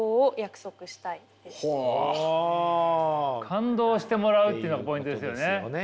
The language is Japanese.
感動してもらうっていうのがポイントですよね。